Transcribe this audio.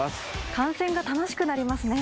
観戦が楽しくなりますね。